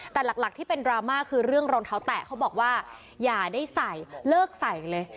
แต่หลักที่เป็นดราม่าคือเรื่องรองเท้าแตะเขาบอกว่าอย่าได้ใส่เลิกใส่เลย